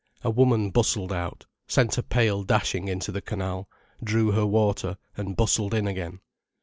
A woman bustled out, sent a pail dashing into the canal, drew her water, and bustled in again.